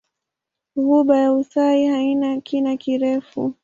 Ghuba ya Uthai haina kina kirefu.